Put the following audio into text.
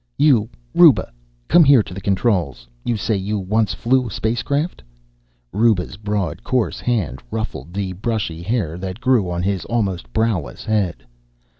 You, Ruba, come here to the controls. You say you once flew space craft." Ruba's broad, coarse hand ruffled the bushy hair that grew on his almost browless head.